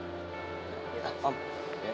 kalau gitu reva kita pulang ya